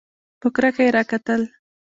په کرکه یې راکتل !